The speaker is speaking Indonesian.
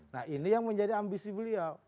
nah ini yang menjadi ambisi beliau